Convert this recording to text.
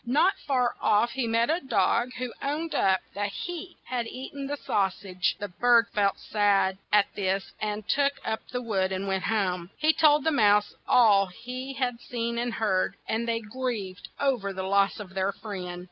Not far off he met a dog who owned up that he had eat en the sau sage, The bird felt sad at this and took up the wood and went home. He told the mouse all he had seen and heard, and they grieved o ver the loss of their friend.